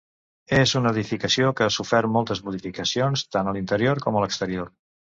És una edificació que ha sofert moltes modificacions, tant a l'interior com a l'exterior.